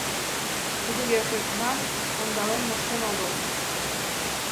Тудо йӧршынат ондален моштен огыл.